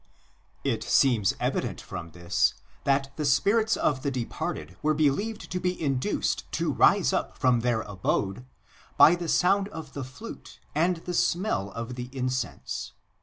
l It seems evident from this that the spirits of the departed were believed to be induced to rise up from their abode by the sound of the flute and the smell of the incense.